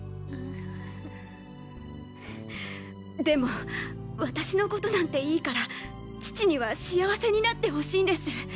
でも私の事なんていいから父には幸せになってほしいんです。